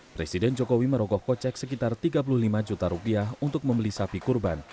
presiden jokowi merogoh kocek sekitar tiga puluh lima juta rupiah untuk membeli sapi kurban